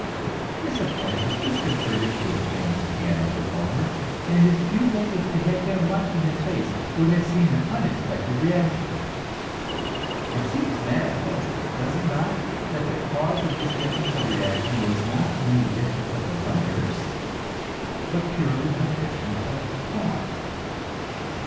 This, of course, was disconcerting to a famous piano performer, and his pupils, if they had been watching his face, would have seen an unexpected reaction. It seems manifest, does it not, that the cause of this difference of reaction was not any difference of the letters, but purely a difference of thought?